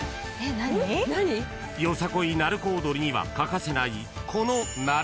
［よさこい鳴子踊りには欠かせないこの］